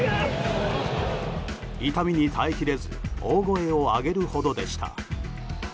痛みに耐えきれず大声を上げるほどでした。